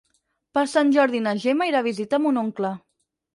Per Sant Jordi na Gemma irà a visitar mon oncle.